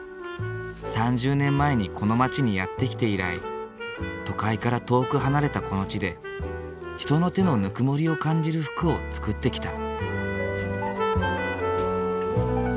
３０年前にこの町にやって来て以来都会から遠く離れたこの地で人の手のぬくもりを感じる服を作ってきた。